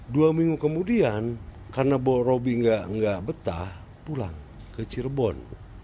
dua minggu kemudian karena borobi nggak betah pulang ke cirebon